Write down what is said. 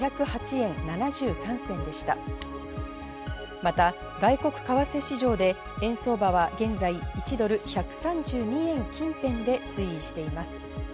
また外国為替市場で円相場は現在１ドル＝１３２円台近辺で推移しています。